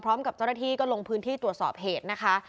พร้อมกับเจ้าหน้าที่ก็ลงพื้นที่ตรวจสอบเหตุนะคะ